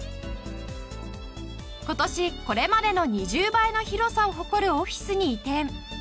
今年これまでの２０倍の広さを誇るオフィスに移転。